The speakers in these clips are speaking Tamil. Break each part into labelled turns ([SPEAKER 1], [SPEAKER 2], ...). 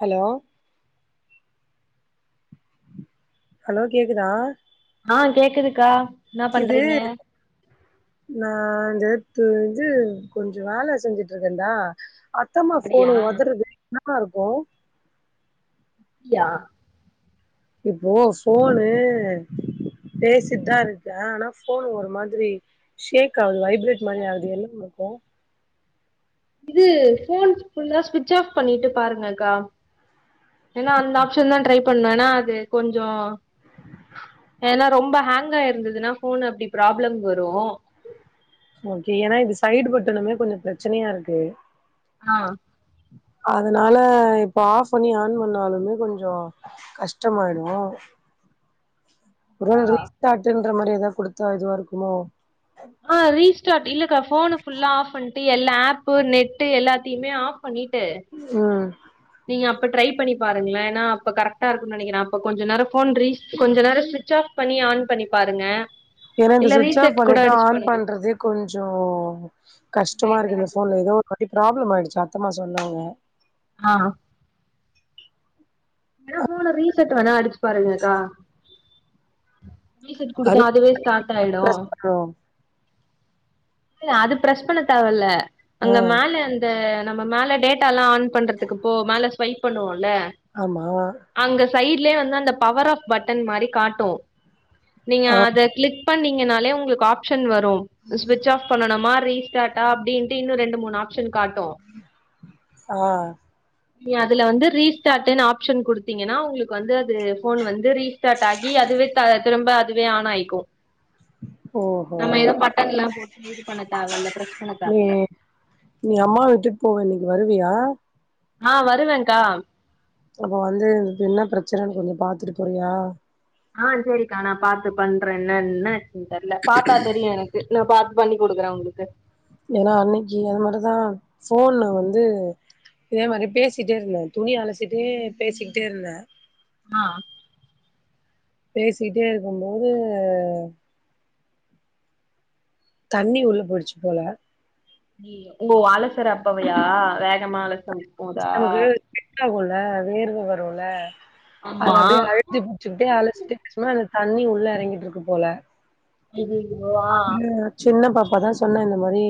[SPEAKER 1] ஹலோ ஹலோ கேக்குதா
[SPEAKER 2] ஆஹ் கேக்குதுக்கா என்ன பண்றீங்க
[SPEAKER 1] நான் இதுத்து இது கொஞ்சம் வேலை செஞ்சுட்டு இருக்கேன் தா அத்தம்மா
[SPEAKER 2] அப்டியா
[SPEAKER 1] ஃபோனு ஒதறது என்னா வா இருக்கும்
[SPEAKER 2] யா
[SPEAKER 1] இப்போ ஃபோன்னு பேசிட்டுதான் இருக்கேன் ஆனா ஃபோன் ஒரு மாதிரி ஷேக் ஆகுது வைப்ரேட் மாரி யாவுது என்னவா இருக்கும்
[SPEAKER 2] இது ஃபோன் ஃபுல்லா ஸ்விட்ச ஆப் பண்ணிட்டு பாருங்கக்கா ஏனா அந்த ஆப்ஷன்தான் ட்ரை பண்ண ஏனா அது கொஞ்சோ ஏனா ரொம்ப ஹேங்க் ஆயிருந்ததுன்னா ஃபோன் அப்டி ப்ராப்ளம் வரு
[SPEAKER 1] ஓகே ஏனா இது சைடு பட்டனுமே கொஞ்சோ பிரச்சனையா இருக்கு
[SPEAKER 2] ஆ
[SPEAKER 1] அதனால இப்ப ஆஃப் பண்ணி ஆன் பண்ணாலுமே கொஞ்சோ கஷ்டமாயிடுமோ ஒரு வேல ரீஸ்டார்ட்ன்ற மாரி ஏதா குடுத்தா இதுவா இருக்குமோ
[SPEAKER 2] ஆ ரீஸ்டார்ட் இல்லக்கா ஃபோன ஃபுல்லா ஆஃப் பண் ட்டு எல்லா ஆப்பு நெட்டு எல்லாத்தையுமே ஆஃப் பண்ணிட்டு
[SPEAKER 1] அ
[SPEAKER 2] நீங்க அப்ப ட்ரை பண்ணி பாருங்களேன் ஏனா அப்ப கரெக்டா இருக்குனு நெனைக்கிறன் அப்ப கொஞ்சோ நேரோ ஃபோன் ரீஸ் கொஞ்ச நேரோ ஸ்விச் ஆஃப் பண்ணி ஆன் பண்ணி பாருங்க
[SPEAKER 1] ஏனா இந்த
[SPEAKER 2] இல்ல
[SPEAKER 1] சுவிட்ச் ஆஃப்
[SPEAKER 2] ரீசெட் கூட
[SPEAKER 1] பண்ணிட்டு
[SPEAKER 2] அடிச்சு
[SPEAKER 1] ஆன்
[SPEAKER 2] பண்ணுங்க
[SPEAKER 1] பண்றதே கொஞ்சோ கஷ்டமா
[SPEAKER 2] லேட்டா
[SPEAKER 1] இருக்கு இந்த
[SPEAKER 2] ஆகுது
[SPEAKER 1] ஃபோன்ல எதோ பத்தி ப்ராப்ளம் ஆயிடுச்சு அத்தம்மா சொன்னாங்க
[SPEAKER 2] ஆ வேணா ஃபோன ரீசெட் வேணா அடிச்சு பாருங்கக்கா ரீசெட் குடுத்தா
[SPEAKER 1] அது
[SPEAKER 2] அதுவே ஸ்டார்ட் ஆயிடு
[SPEAKER 1] பிரஸ் பண்ணோ
[SPEAKER 2] இல்ல அது பெர்ஸ் பண்ண தேவயில்ல
[SPEAKER 1] ஆ
[SPEAKER 2] அங்க மேல அந் இந்த நம்ம மேல டேட்டா எல்லா ஆன் பண்றதுக்கு போ மேல ஸ்வைப் பண்ணுவோமல்ல
[SPEAKER 1] ஆமாவா
[SPEAKER 2] அங்க சைடுலயே வந்து அந்த பவர் ஆஃப் பட்டன் மாரி காட்டு நீங்க
[SPEAKER 1] ஆ
[SPEAKER 2] அத க்ளிக் பண்ணீங்கன்னாலே உங்களுக்கு ஆப்ஷன் வ ரு சுவிச் ஆஃப் பண்ணனுமா ரீஸ்டார்ட்டா அப்டின்ட்டு இன்னு ரெண்டு மூனு ஆப்ஷன் காட்டு
[SPEAKER 1] ஆ
[SPEAKER 2] நீ அதுல வந்து ரீஸ்டார்ட்னு ஆ ப்ஷன் குடுத்தீங்கன்னா உங்களுக்கு வந்து அது போன் வந்து ரீஸ்டார்ட் ஆகி அதுவே திரும்ப அதுவே ஆன் ஆய்க்கு
[SPEAKER 1] ஓஹோ
[SPEAKER 2] நம்ம எது பட்டன் எல்லா போட்டு இது பண்ண தேவ இல்ல ப்ரெஷ் பண்ண
[SPEAKER 1] நீ
[SPEAKER 2] தேவயில்ல
[SPEAKER 1] நீ அம்மா வீட்டு போவ இன்னைக்கு வருவியா
[SPEAKER 2] ஆ வருவன்க்கா
[SPEAKER 1] அப்ப வந்து என்ன பிரச்சனன்னு கொஞ்சொ பாத்துட்டு போறியா
[SPEAKER 2] ஆ சரிக்கா நா பாத்து பண்றன் என்னன்னு என்னாச்சுனு தெர்ல பாத்தா தெரியு என க்கு நா பாத்து பண்ணி குடுக்குற ஒங்ளுக்கு
[SPEAKER 1] ஏனா அன்னக்கி அது மாரிதா ஃபோனு வந்து இதே மாரி பேசிட்டே இருந்தன் துணி அளாசிட்டே பேசிக்கிட்டே இருந்தன்
[SPEAKER 2] ஆ
[SPEAKER 1] பேசிட்டே இருக்கும்போது தண்ணி உள்ள போய்டுச்சு போல
[SPEAKER 2] அய்யய்யோ ஓங்க அளசர அப்பயா வேகமா அள
[SPEAKER 1] நமக்கு இதாகுல வேர்வ வருல்ல அது
[SPEAKER 2] ஆமா
[SPEAKER 1] அப்டியே அழு த்தி புடிச்சுக்கிட்டே அளச்சிட்டே சும்மா இந்த தண்ணி உள்ள எறங்கிட்டுருக்கு போல
[SPEAKER 2] எது இதுவோ
[SPEAKER 1] ம் சின்ன பாப்பாதா சொன்னா இந்த மாரி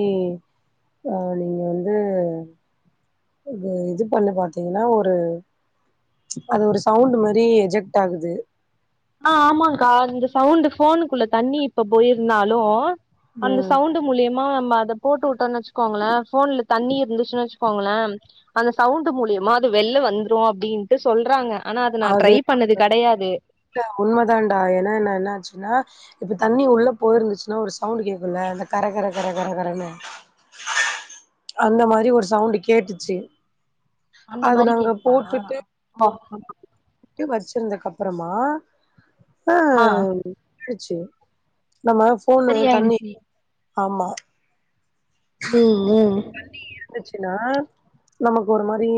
[SPEAKER 1] அ நீங்க வந்து இது இது பண்ணி பாத்தீங்னா ஒரு அது ஒரு சவுண்டு மாரி எஜெக்ட் ஆகுது
[SPEAKER 2] ஆ ஆமான்க்கா அந்த சவுண்ட் போனுக்குள்ள தண்ணி இப்ப போயிருந்தாலு அந்த
[SPEAKER 1] ம்
[SPEAKER 2] சவுண் மூலமா நம்ம அத போட்டு உட்டோனு வச்சுக்கோங்களே போன்ல தண்ணி இருந்துச்சுனு வச்சுக்கோங்களே அந்த சவுண்டு மூலியமா வெளில வந்துரு அப்டின்ட்டு சொல்றாங்க ஆனா அது நா ட்ரை பண்ணது கெடையாது
[SPEAKER 1] இல்ல உண்மதாண்டா ஏனா என்ன என்ன ஆச்சுனா இப்ப தண்ணி உள்ள போயிருந்துச்சுன்னா ஒரு சவுண்டு கேக்குல அந்த கர கர கர கர கரன்னு அந்த மாரி ஒரு சவுண்டு கேட்டுச்சி அது நாங்க போட்டுட்டு அப்படியே வச்சிருந்தக்கு அப்பறமா ஆ
[SPEAKER 2] ஆ
[SPEAKER 1] ச்ச நம்ம போன்ல தண்ணி
[SPEAKER 2] சரியாயிடுச்சு
[SPEAKER 1] ஆமா
[SPEAKER 2] ம் ம்
[SPEAKER 1] இருந்துச்சுனா நமக்கு ஒரு மாரி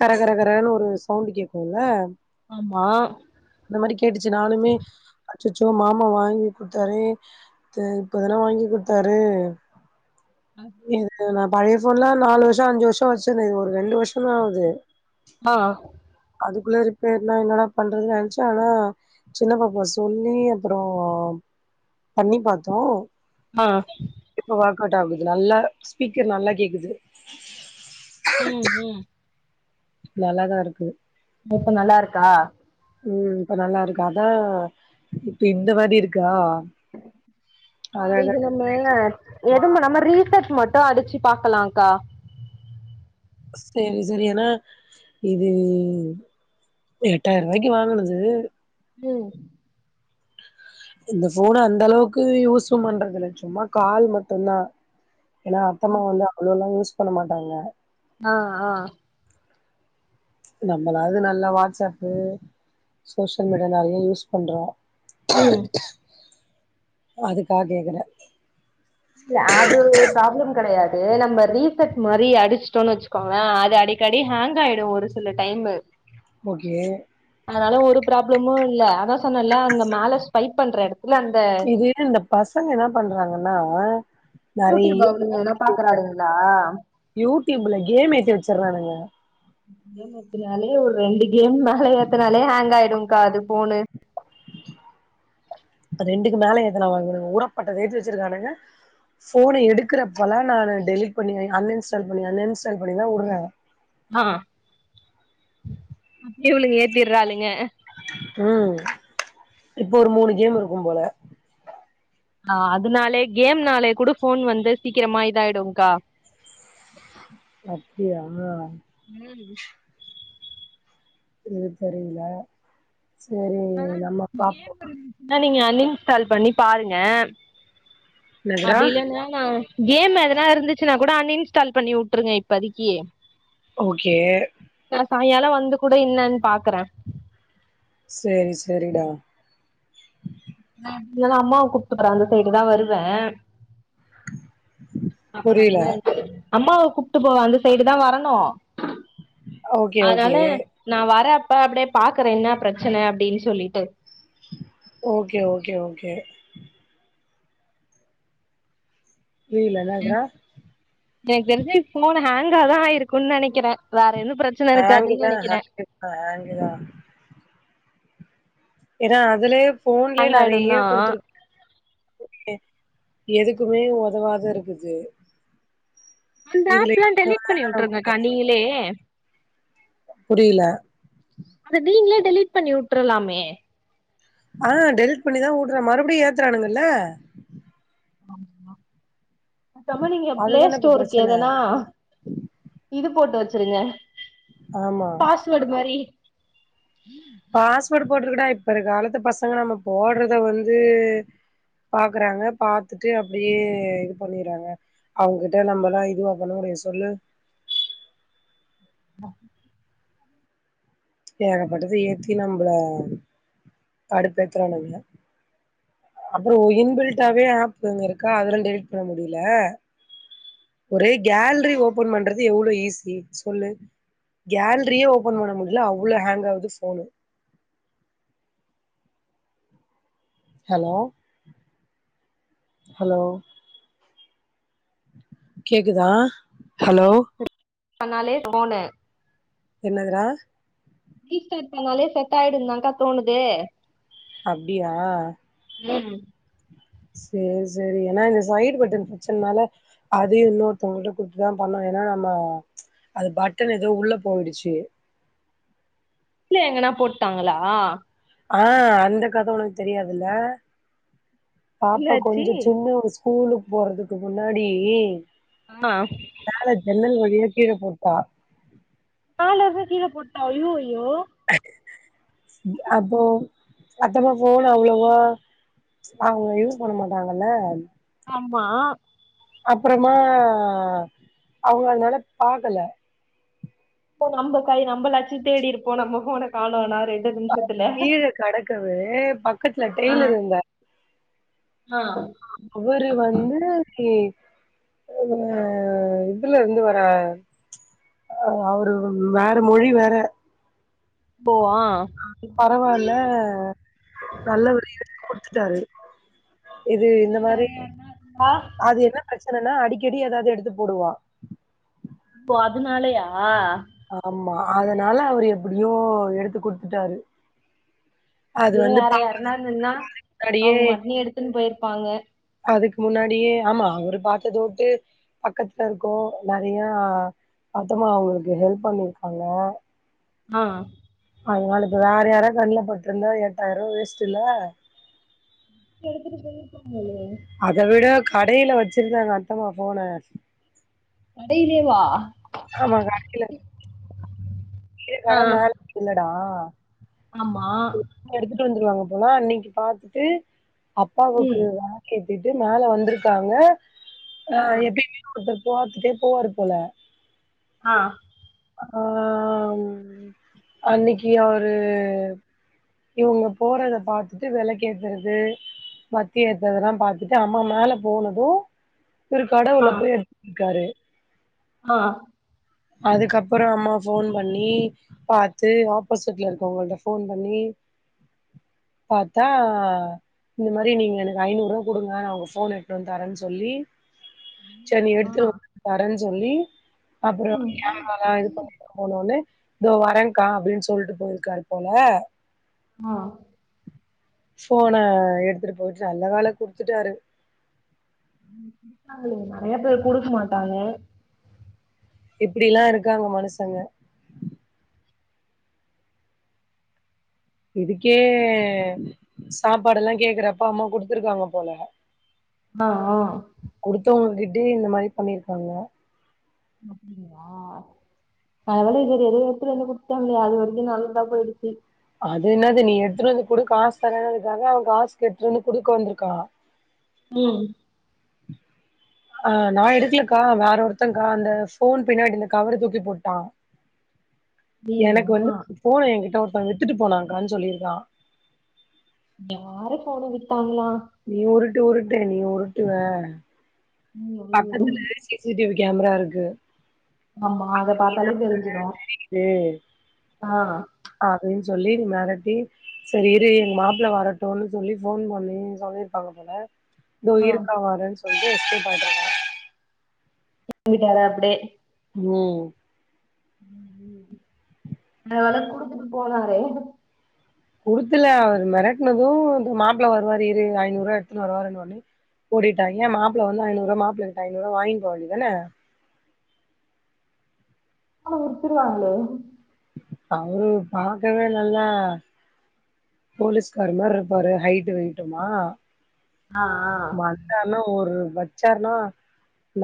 [SPEAKER 1] கர கரகரன்னு ஒரு சவுண்டு கேக்குல்ல
[SPEAKER 2] ஆமா
[SPEAKER 1] அந்த மாரி கேட்டுச்சு நானுமே அச்சச்சோ மாமா வாங்கிகுடுத்தாரே தேங இப்பத்தான வாங்கி குடுத்தாரு
[SPEAKER 2] அ
[SPEAKER 1] இது நா பழைய போன்லா நாலு வருஷொ அஞ்சு வருஷொ வச்சனே இது ஒரு ரெண்டு வருஷந்தா ஆவுது
[SPEAKER 2] ஆ
[SPEAKER 1] அதுக்குள்ளே ரிப்பேர்னா என்னடா பண்றது நென்ச்சே ஆனா சின்ன பாப்பா சொல்லி அப்பறொ பண்ணி பாத்தோ
[SPEAKER 2] ஆ
[SPEAKER 1] இப்போ ஒர்க் அவுட் ஆவுது நல்லா ஸ்பீக்கர் நல்லா கேக்குது
[SPEAKER 2] ம் ம்
[SPEAKER 1] நல்லாதா இருக்கு
[SPEAKER 2] இப்ப நல்லாருக்கா
[SPEAKER 1] ம் இப்ப நல்லாருக்கு அதா இப்ப இந்த மாரி இருக்கா
[SPEAKER 2] ஆ
[SPEAKER 1] அதா அதா
[SPEAKER 2] இது நம்ம எதும நம்ம ரீசட் மட் டு அடிச்சி பாக்லாக்கா
[SPEAKER 1] செரி செரி ஏனா இது எட்டாயிர்ரூபாய்க்கு வாங்னது
[SPEAKER 2] உம்
[SPEAKER 1] இந்த ஃபோன அந்த அளவுக்கு யூஷும் பண்றது இல்ல சும்மா கால் மட்டுந்தா ஏன்னா அத்தம்மா வந்து அவ்வளொ ல்லா யூஸ் பண்ண மாட்டாங்க
[SPEAKER 2] ஆ ஆ
[SPEAKER 1] நம்மளாது நல்லா வாட்ஸ்ப்பு சோசியல் மீடியா நிறைய யூஸ் பண்றோ
[SPEAKER 2] உம்
[SPEAKER 1] அதுக்கா கேக்குற
[SPEAKER 2] அது ப்ராப்ளம் கிடையாது நம்ம ரீசெட் மாரி அடிச்சட்டோனு வச் கொங்கல அது அடிக்கடி ஹேங்க் ஆயிடு ஒரு சில டைமு
[SPEAKER 1] ஓகே
[SPEAKER 2] அதனால ஒரு ப்ராப்ளமு இல்ல அதா சொன்னல அங்க மேல ஸ்பைப் பண்ற இடத்துல அந்
[SPEAKER 1] இது இந்த பசங்க என்ன பண்றாங்கன்னா
[SPEAKER 2] யூ
[SPEAKER 1] நெறைய
[SPEAKER 2] ட்யூப் அவங்க என்ன பாக்குறானுங்கனா
[SPEAKER 1] யூ ட்யூப்ல கேம் ஏத்தி வச்சட்றானுங்க
[SPEAKER 2] கேம் எத்துனாலே ஒரு ரெண்டு கேம் ஒரு மேல எத்துனாலே ஹேங்க் ஆயிடுகா அது போனு
[SPEAKER 1] அ ரெண்டுக்கு மேல எதனா வாங்கனு உரப்பட்டதா ரெட்டு வச்சிருக்கானுங்க ஃபோன எடுக்றப்போலா நானு டெலிட் பண்ணி ஆயி அன் இன்ஸ்டால் பண்ணி அன் இன்ஸ்டால் பண்ணி தா உடுற
[SPEAKER 2] ஆ அப்டி இவ்ளங்க ஏத்திறாளுக
[SPEAKER 1] உம் இப்போ ஒரு மூனு கேம் இருக்கு போல
[SPEAKER 2] ஆ அதுனாலே கேம்னாலே கூடு ஃபோன் வந்து சீக்கிரமா இதாய்டும்கா
[SPEAKER 1] அப்டியா
[SPEAKER 2] உம்
[SPEAKER 1] இது தெரியல செரி நம்மோ பாப்போ
[SPEAKER 2] என்ன நீங்க அன்இன்ஸ்டால் பண்ணி பாருங்க
[SPEAKER 1] என்னதுடா
[SPEAKER 2] அப்டி இல்லன்னா நா கேம் எதனா இருந்துச்சின்னா கூட அன் இன்ஸ்டால் பண்ணி உட்ருங்க இப்பதைக்கி
[SPEAKER 1] ஓகே
[SPEAKER 2] நா சாய்யாலோ வந்து கூட இன்னன்னு பாக்ற
[SPEAKER 1] செரி செரிடா
[SPEAKER 2] அம்மாவ கூப்டுக்றே அந்த சைடு தா வருவ
[SPEAKER 1] புரில
[SPEAKER 2] அம்மாவ கூப்ட்டு போவ அந்த சைடு தா வரணு
[SPEAKER 1] ஓகே
[SPEAKER 2] அதனால
[SPEAKER 1] ஓகே
[SPEAKER 2] நா வர அப்ப அப்டியே பாக்கறே என்ன பிரச்சன அப்டின்னு சொல்லிட்டு
[SPEAKER 1] ஓகே ஓகே ஓகே புரில என்ன ஆகுதுனா
[SPEAKER 2] எனக்கு தெரிஞ்சி ஃபோன் ஹேங்கா தா ஆயிருக்குன்னு நனைக்கிற வேற என்னு பிரச்சன இருக்காதுன்னு நனைக்கிற
[SPEAKER 1] ஆ ஹங்குதா ஏனா அதுலேப் ஃபோன்லேயே
[SPEAKER 2] ஹேங் ஆயிடும்
[SPEAKER 1] நறைய
[SPEAKER 2] தா
[SPEAKER 1] குடுத்துருக்கு மே எதுக்குமே உதவாத இருக்குது
[SPEAKER 2] அந்த
[SPEAKER 1] இதுல
[SPEAKER 2] ஆப்ல்லா டெலீட் பண்ணி உட்ருங்கா நீங்களே
[SPEAKER 1] புரியல
[SPEAKER 2] அது நீங்கலே டெலீட் பண்ணி உட்ரலாமே
[SPEAKER 1] ஆ டெலிட் பண்ணிதா உடுற மறுபடியு ஏத்துறானுங்கல்ல
[SPEAKER 2] தமிழினிய ப்ளே
[SPEAKER 1] அதுதான இப்ப
[SPEAKER 2] ஸ்டோருக்கு
[SPEAKER 1] பிரச்சன
[SPEAKER 2] எதனா இது போட்டு வச்சிருங்க
[SPEAKER 1] ஆமா
[SPEAKER 2] தொடுமாறி
[SPEAKER 1] பாஸ்வேர்ட் போட்ருகூடா இப்ப இரு காலத்து பசங்க நம்ம போட்றத வந்து பாக்குறாங்க பாத்துட்டு அப்டியே இது பண்ணிறாங்க அவுங்கட்ட நம்மல்லா இதுவா பண்ணுமுடியு சொல்லு
[SPEAKER 2] நோ
[SPEAKER 1] ஏகப்பட்டது ஏத்தி நம்மள கடுப்பேத்துறானுங்க அப்ரோ இன்பில்டாவே ஆப் ஒன்னு இருக்கா அதெல்லா டெலிட் பண்ண முடியல ஒரே கேல்ரி ஓப்பன் பண்றது எவ்ளோ ஈஸி சொல்லு கேல்ரியே ஓப்பன் பண்ண முடில அவ்ளோ ஹேங் ஆகுது போனு ஹலோ ஹலோ கேக்குதா ஹலோ
[SPEAKER 2] தன்னாலே போனு
[SPEAKER 1] என்னதுரா
[SPEAKER 2] ரீஸ்டார்ட் பண்ணாலே செட்டாயிடுந்தாக்கா தோணுது
[SPEAKER 1] அப்டியா
[SPEAKER 2] ம்
[SPEAKER 1] செரி செரி ஏனா இந்த சைடு பட்டன் பிரச்சன்னால அதையு இன்னொருத்தவங்கள்ட்ட குடுத்துதா பண்ணோ ஏனா நம்ம அது பட்டன் எதோ உள்ள போயிடுச்சு
[SPEAKER 2] கீழ எங்கனா போட்டாங்களா
[SPEAKER 1] ஆ அந்த கத ஒனக்கு தெரியாதுல்ல பாப்பா
[SPEAKER 2] என்னாச்சி
[SPEAKER 1] கொஞ்சோ சின்ன வயசு கூலுக்கு போறதுக்கு முன்னாடி
[SPEAKER 2] ஆ
[SPEAKER 1] மேல ஜன்னல் வழியா கீழ போட்டா
[SPEAKER 2] மேலேர்ந்து கீழ போட்டா ஐயோயோ
[SPEAKER 1] அப்போ சத்தமா போன் அவ்ளோவா அவுங்க யூஸ் மாட்டாங்கல்ல
[SPEAKER 2] ஆமா
[SPEAKER 1] அப்பறமா அவுங்க அந்த அளவு பாக்கல
[SPEAKER 2] இப்ப நம்ம கை நம்மலாச்சூ தேடிருப்போ நம்ம போன காணோனா ரெண்டு நிமிஷ்
[SPEAKER 1] கீழ கடக்கது பக்கத்துல டெய்லரு இருந்தா
[SPEAKER 2] ஆ
[SPEAKER 1] அவரு வந்து நி அ இதுல இருந்து வர அவுரு வேற மொழி வேற
[SPEAKER 2] போ ஆ
[SPEAKER 1] அது பரவால்ல நல்லவரு குடுத்துட்டாரு இது
[SPEAKER 2] இதே
[SPEAKER 1] இந்த
[SPEAKER 2] வேற
[SPEAKER 1] மாரி
[SPEAKER 2] யாருனா
[SPEAKER 1] அது என்ன பிரச்சனனா அடிக்கடி எதாது எடுத்து போடுவா
[SPEAKER 2] ஓ அதுனாலயா
[SPEAKER 1] ஆமா அதனால அவரு எப்டியோ எடுத்து குடுத்துட்டாரு அது
[SPEAKER 2] இது
[SPEAKER 1] வந்து
[SPEAKER 2] வேற
[SPEAKER 1] பா
[SPEAKER 2] யாரன்னா நின்னா
[SPEAKER 1] முன்னாடியே
[SPEAKER 2] அவங்க பாட்டுனு எடுத்துன்னு போயிருப்பாங்க
[SPEAKER 1] அதுக்கு முன்னாடியே ஆமா அவரு பாத்தது ஓகே பக்கத்துல இருக்கோ நெறையா அத்தமா அவுங்களுக்கு ஹெல்ப் பண்ணிருக்காங்க
[SPEAKER 2] ஆ
[SPEAKER 1] அதனால இப்ப வேற யாராது கண்ல பட்ருந்தா எட்டாயிர்பா வேஸ்ட்டு இல்ல
[SPEAKER 2] எடுத்துட்டு போய்ர்ப்பாங்களே
[SPEAKER 1] அத விட கடைல வச்சிருந்தாங்க அத்தமா போன
[SPEAKER 2] கடைலேவா
[SPEAKER 1] ஆமா கடைல கீழ
[SPEAKER 2] ஆ
[SPEAKER 1] கட மேல இல்ல டா
[SPEAKER 2] ஆமா
[SPEAKER 1] எடுதுட்டு வந்துருவாங்க போல அன்னைக்கு பாத்துட்டு அப்பாவுக்கு
[SPEAKER 2] ம்
[SPEAKER 1] அம்மா ஏத்திட்டு மேல வந்திருகாங்க ஆ எப்டி ஒருதர் போர்த்துடே போவரு போல
[SPEAKER 2] ஆ
[SPEAKER 1] ஆ அன்னிக்கி அவரு இவங்க போறத பாத்துட்டு வெல கேக்கறது வத்தி ஏத்துனதெல்லா பாத்துட்டு அம்மா மேல போனது ஒரு கடவுள
[SPEAKER 2] ஆ
[SPEAKER 1] போய் எடுத்துருகாரு
[SPEAKER 2] ஆ
[SPEAKER 1] அதுகப்பற அம்மா ஃபோன் பண்ணி பாத்து ஆப்போசிட்ல இருக்கவங்கள்ட்ட ஃபோன் பண்ணி பாத்தா இந்த மாரி நீங்க எனக் ஐநூரூவா குடுங்க உங்க ஃபோன் எட்த்துட்டு வந்து தரேன் சொல்லி செரி நீ
[SPEAKER 2] ஆ
[SPEAKER 1] எடுத்துட்டு போ தரேன் சொல்லி அப்புறோ
[SPEAKER 2] ம்
[SPEAKER 1] கேமராலா இது பண்ணி போனுன்னு இதோ வரேங்கா அப்டின் சொல்ட்டு போய்ருக்காார் போல
[SPEAKER 2] ஆ
[SPEAKER 1] ஃபோன எடுத்துட்டு போய்ட்டு நல்ல வேல குடுத்துடாரு
[SPEAKER 2] நெறைய பேரு குடுக்க மாட்டானே
[SPEAKER 1] இப்டிலா இருகாங்க மனுசங்க இதுக்கே சாப்பாடு எல்லா கேக்கறப்ப அம்மா குடுத்துருக்காங்க போல
[SPEAKER 2] ஆ ஆ
[SPEAKER 1] குடுத்தவங்க கிட்டயே இந்த மாரி பண்ணிருக்காங்க
[SPEAKER 2] ஒ அப்டிங்ளா அதனால இவரு [unintelligible] எடுத்துட்டு வந்து குடுத்தாங்க அது வரைக்கு நல்லாதா போய்டுச்சி
[SPEAKER 1] அது என்னது நீ எடுத்துட்டு வந்து குடு காசு தர இததா அவ காஸ் கேட்ருன்னு குடுக்க வந்திருக்கா
[SPEAKER 2] ம்
[SPEAKER 1] ஆ நா எடுக்கலக்கா வேற ஒருத்தக்கா அந்த ஃபோன் பின்னாடி அந்த கவர தூக்கி போட்டா
[SPEAKER 2] ஐயையோ
[SPEAKER 1] எனக் வந்து
[SPEAKER 2] ஆ
[SPEAKER 1] ஃபோன எ கிட்ட ஒருத்த வித்துட்டு போனாக்கான் சொல்லிருக்றா
[SPEAKER 2] யாரு ஃபோன வித்தாங்ளா
[SPEAKER 1] நீ உருட்டு உருட்டு நீ உருட்டுவே
[SPEAKER 2] ம் ம்
[SPEAKER 1] பக்கத்துல சிசிடிவி கேமரா இருக்கு
[SPEAKER 2] ஆமா அத
[SPEAKER 1] நீ
[SPEAKER 2] பாத்தாலே தெரிஞ்சிரு
[SPEAKER 1] எடு
[SPEAKER 2] ஆ
[SPEAKER 1] அப்டின்னு சொல்லி மெரட்டி செரி இரு எங்க மாப்ள வரட்டுனு சொல்லி ஃபோன் பண்ணி சொல்லிருப்பாங்க போல தோ
[SPEAKER 2] ஆ
[SPEAKER 1] இருக்கா வரன் சொல்லி எஸ்கேப் அய்டாங்க
[SPEAKER 2] தூங்கிட்டாரா அப்டியே
[SPEAKER 1] ம்
[SPEAKER 2] இன்னொரு தடவ குடுத்துட்டு போவாரு
[SPEAKER 1] குடுக்கல அவர் மெரட்னது மாப்ள வாருவாரு இரு ஐநூறுவா எடுத்துனு வரு வாருன்ன ஒன்னே ஓடிட்டா ஏ மாப்ள வந்தா ஐநூரூவா மாப்ள கிட்ட ஐநூரூவா வாய்ன் போவேண்டி தான
[SPEAKER 2] அவங் குடுத்துருவாங்களே
[SPEAKER 1] அவரு பாக்கவே இல்ல இல்ல போலீஸ்கார் மார் இருப்பாரு ஹையிட் வெயிட்டுமா
[SPEAKER 2] ஆ ஆ
[SPEAKER 1] யார்னா ஒரு வச்சார்னா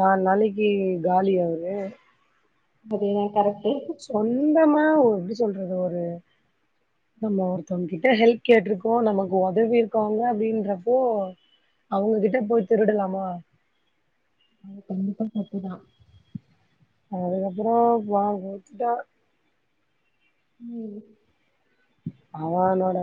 [SPEAKER 1] நாலு நாளைக்கி காலி அவரு
[SPEAKER 2] பட் இருந்தாலு கரெக்ட்டு
[SPEAKER 1] சொந்தமா எப்டி சொல்றது ஒரு நம்ம ஒருத்தங் கிட்ட ஹெல்ப் கேட்ருக்கோ நமக்கு ஒதவி இருக்காங்க அப்டின்றப்போ அவங்க கிட்ட போய் திருடலாமா
[SPEAKER 2] அது கண்டிப்பா தப்பு தா
[SPEAKER 1] அதுக்கப்ற வா போச்சுட்டா
[SPEAKER 2] ம்
[SPEAKER 1] ஆனா அவளோட